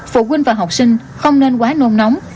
phụ huynh và học sinh không nên quá nôn nóng